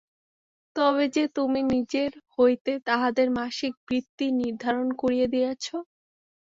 তবে যে তুমি নিজের হইতে তাহাদের মাসিক বৃত্তি নির্ধারণ করিয়া দিয়াছ?